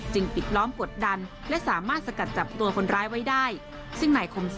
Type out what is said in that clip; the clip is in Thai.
จึงปิดล้อมปวดดัน